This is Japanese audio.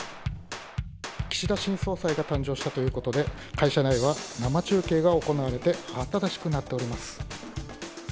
岸田新総裁が誕生したということで、会社内は生中継が行われて、慌ただしくなっております。